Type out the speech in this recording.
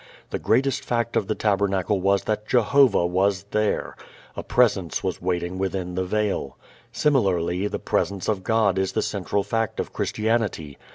The greatest fact of the tabernacle was that Jehovah was there; a Presence was waiting within the veil. Similarly the Presence of God is the central fact of Christianity.